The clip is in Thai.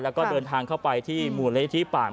เหลินทางเข้าไปที่หมู่ละเอ้ยธิปล่าม